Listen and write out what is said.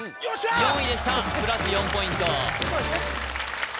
４位でしたプラス４ポイント